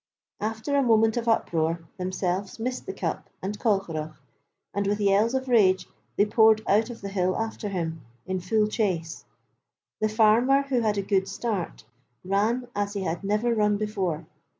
After a moment of uproar Themselves missed the cup and Colcheragh, and with yells of rage they poured out of the hill after him, in full chase. The farmer, who had a good start, ran as he had never run before.